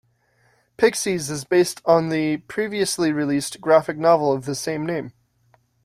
"Pixies" is based on the previously released graphic novel of the same name.